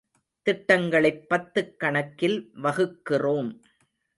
திட்டங்களைப் பத்துக் கணக்கில் வகுக்கிறோம்.